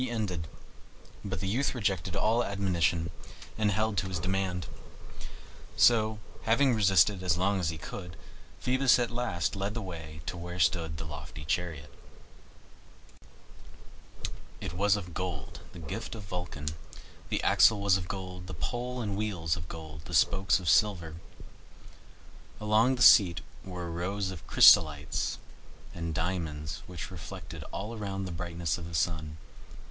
He ended; but the youth rejected all admonition and held to his demand. So, having resisted as long as he could, Phoebus at last led the way to where stood the lofty chariot. It was of gold, the gift of Vulcan; the axle was of gold, the pole and wheels of gold, the spokes of silver. Along the seat were rows of chrysolites and diamonds which reflected all around the brightness of the sun.